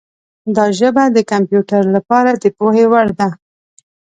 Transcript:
دا ژبه د کمپیوټر لپاره د پوهې وړ ده.